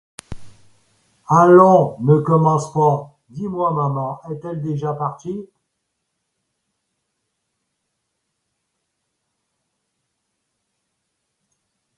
Allons, ne commence pas… Dis-moi, maman est-elle déjà partie ?